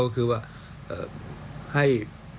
หัวก็คือว่าให้